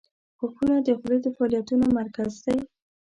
• غاښونه د خولې د فعالیتونو مرکز دي.